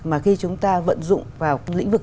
mà khi chúng ta vận dụng vào lĩnh vực